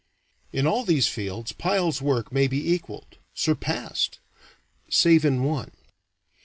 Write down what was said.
In all these fields Pyle's work may be equaled, surpassed, save in one.